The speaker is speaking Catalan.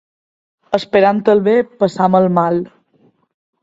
Esperant el bé passem el mal.